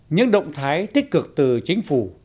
những động thái tích cực từ chính phủ